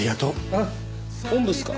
あっおんぶっすか？